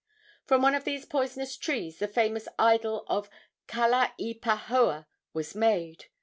From one of these poisonous trees the famous idol of Kalaipahoa was made.